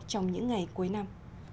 trong những ngày cuối năm